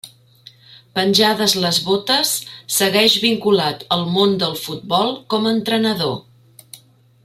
Penjades les botes, segueix vinculat al món del futbol com a entrenador.